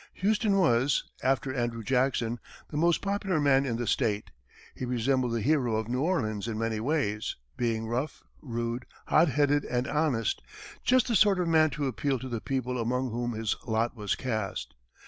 Houston was, after Andrew Jackson, the most popular man in the state. He resembled the hero of New Orleans in many ways, being rough, rude, hot headed and honest just the sort of man to appeal to the people among whom his lot was cast.